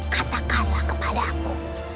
katakanlah kepada aku